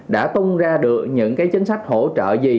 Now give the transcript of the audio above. đã tung ra được những cái chính sách hỗ trợ gì